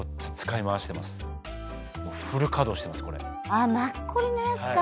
あマッコリのやつか。